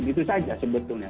begitu saja sebetulnya